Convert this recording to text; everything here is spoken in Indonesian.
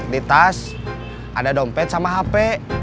di tas ada dompet sama hp